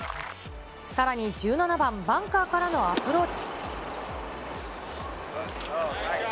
さらに１７番、バンカーからのアプローチ。